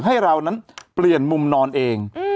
ให้เรานั้นเปลี่ยนมุมนอนเอง